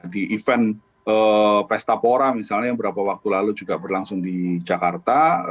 di event pesta pora misalnya yang beberapa waktu lalu juga berlangsung di jakarta